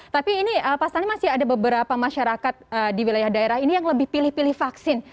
tapi ini pasalnya masih ada beberapa masyarakat di wilayah daerah ini yang lebih pilih pilih vaksin